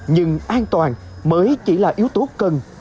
nhưng an toàn mới chỉ là yếu tố cần